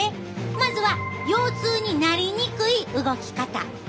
まずは腰痛になりにくい動き方。